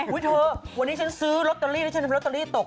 เธอวันนี้ฉันซื้อลอตเตอรี่แล้วฉันทำลอตเตอรี่ตก